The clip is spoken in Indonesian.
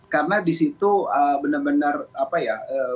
karena disitu benar benar